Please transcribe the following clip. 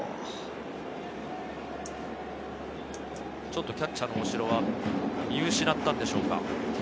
ちょっとキャッチャーの大城は見失ったんでしょうか？